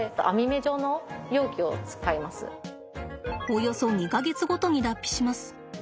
およそ２か月ごとに脱皮します。